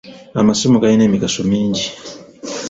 Amasimu galina emigaso mingi.